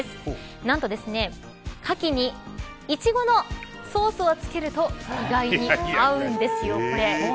何と、かきにイチゴのソースを付けると意外に合うんですよこれ。